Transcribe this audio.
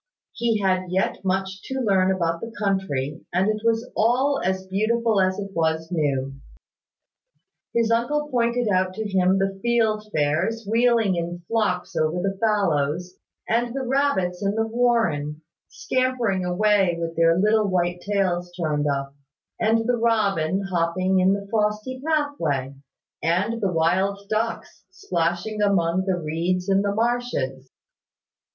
He had yet much to learn about the country, and it was all as beautiful as it was new. His uncle pointed out to him the fieldfares wheeling in flocks over the fallows; and the rabbits in the warren, scampering away with their little white tails turned up; and the robin hopping in the frosty pathway; and the wild ducks splashing among the reeds in the marshes.